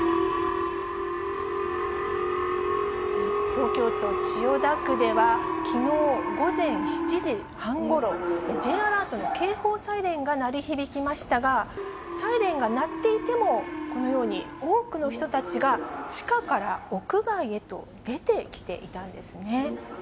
東京都千代田区では、きのう午前７時半ごろ、Ｊアラートの警報サイレンが鳴り響きましたが、サイレンが鳴っていても、このように、多くの人たちが地下から屋外へと出てきていたんですね。